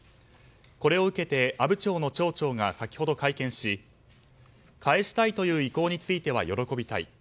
これを受けて阿武町の町長が先ほど会見し返したいという意向については喜びたい。